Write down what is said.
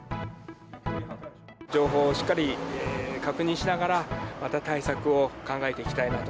情報をしっかり確認しながら、また対策を考えていきたいなと。